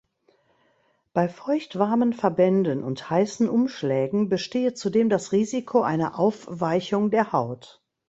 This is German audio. Bei feuchtwarmen Verbänden und heißen Umschlägen bestehe zudem das Risiko einer Aufweichung der Haut.